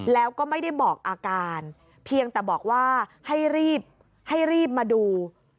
แล้วก็ไม่ได้บอกอาการเพียงแต่บอกว่าให้รีบให้รีบมาดู